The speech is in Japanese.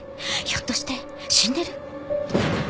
ひょっとして死んでる？